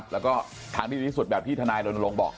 แล้วก็ทางที่นิ่งที่สุดแบบที่ธานีลงบอก